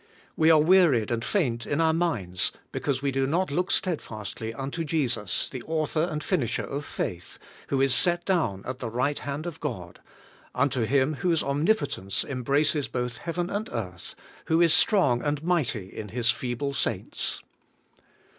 We are wearied and faint in our minds, because we do not look stedfastly unto Jesus, the author and finisher of faith, who is set down at the right hand of God, — unto Him whose omnipotence embraces both heaven and earth, who is strong and mighty in His feeble saints.